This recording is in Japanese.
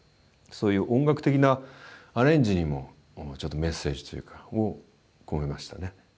そういう音楽的なアレンジにもちょっとメッセージというか込めましたね。